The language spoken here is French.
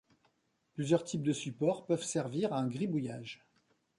Plusieurs types de supports peuvent servir à un gribouillage.